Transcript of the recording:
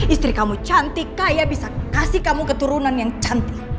istri kamu cantik kaya bisa kasih kamu keturunan yang cantik